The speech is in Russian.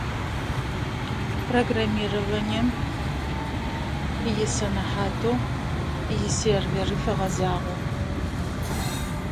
В области веб-программирования, в частности, серверной части